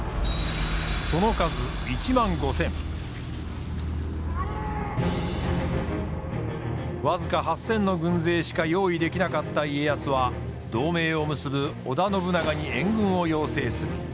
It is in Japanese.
その数僅か８，０００の軍勢しか用意できなかった家康は同盟を結ぶ織田信長に援軍を要請する。